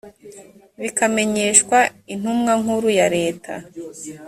bikamenyeshwa intumwa nkuru ya leta